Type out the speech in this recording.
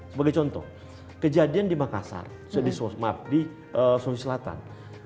sebagai contoh kejadian di makassar maaf di sulawesi selatan